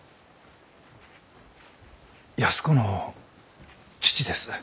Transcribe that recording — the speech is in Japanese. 安子の父です。